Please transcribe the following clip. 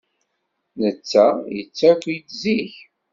Netta yettaki-d zik.